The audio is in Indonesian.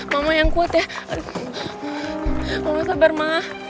mama yang kuat ya mama sabar mah